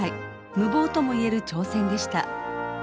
無謀とも言える挑戦でした。